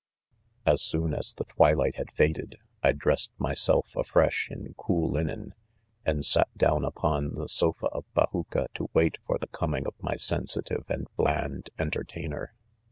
As soon as the twilight had faded, I dressed myself afresh in cool' linen, and sat down up on the sofa of bajuca to wait for the coming of my sensitive and bland, entertainer.